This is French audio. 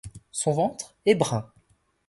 Son ventre est brun.